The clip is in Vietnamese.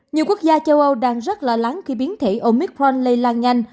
nhiều quốc gia châu âu đang rất lo lắng khi biến thể omicront lây lan nhanh